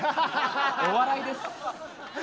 お笑いです。